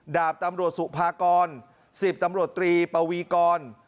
ดาบตำรวจสุภากร๑๐ตำรวจตรีปวีกร